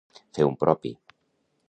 Fer un propi.